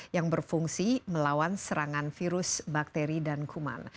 yang berfungsi melawan serangan virus bakteri dan kuman